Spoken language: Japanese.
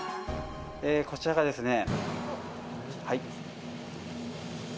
え、こちらがですね。